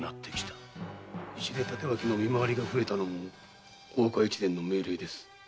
石出帯刀の見回りが増えたのも大岡越前の命令です。